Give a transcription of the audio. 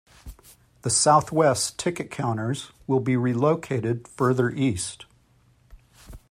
The Southwest ticket counters will be relocated further east.